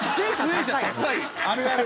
あるある。